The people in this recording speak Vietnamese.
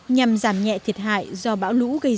nhằm giúp người dân thay đổi phương thức nuôi trồng thủy sản